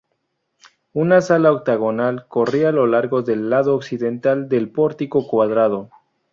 Una sala octagonal corría a lo largo del lado occidental del pórtico cuadrado.